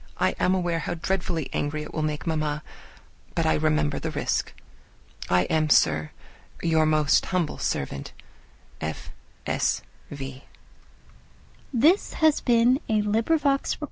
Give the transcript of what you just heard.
I am aware how dreadfully angry it will make mamma, but I remember the risk. I am, Sir, your most humble servant, F. S. V. XXII _Lady Susan to Mrs. Johnson.